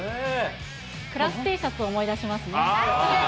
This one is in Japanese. クラスＴシャツを思い出しますてき。